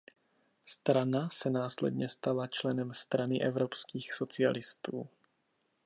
Strana se následně stala členem Strany evropských socialistů.